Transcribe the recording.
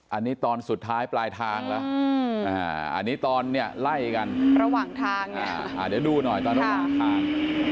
อันนี้ตอนสุดท้ายปลายทางแล้วอันนี้ตอนเนี่ยไล่กันระหว่างทางเดี๋ยวดูหน่อยตอนระหว่างอาคาร